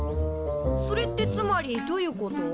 それってつまりどういうこと？